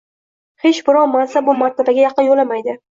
– hech birov mansabu martabaga yaqin yo’lamaydi.